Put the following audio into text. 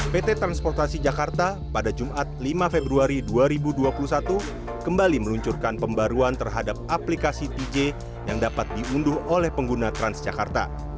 pt transportasi jakarta pada jumat lima februari dua ribu dua puluh satu kembali meluncurkan pembaruan terhadap aplikasi tj yang dapat diunduh oleh pengguna transjakarta